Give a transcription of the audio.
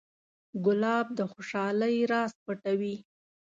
ګلاب د خوشحالۍ راز پټوي.